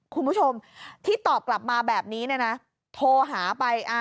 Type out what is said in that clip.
คุณผู้ชมที่ตอบกลับมาแบบนี้เนี่ยนะโทรหาไป